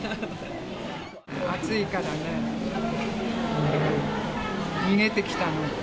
暑いからね、逃げてきたの。